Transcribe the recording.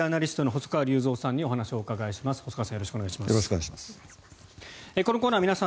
細川さん